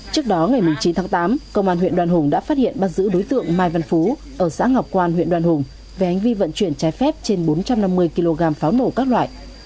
trước đó ngày chín tháng tám công an huyện đoan hùng đã phát hiện bắt giữ đối tượng mai văn phú ở xã ngọc quan huyện đoàn hùng về hành vi vận chuyển trái phép trên bốn trăm năm mươi kg pháo nổ các loại